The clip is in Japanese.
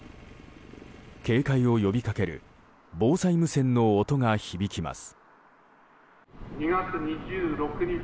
警戒を呼びかける防災無線の音が響きます。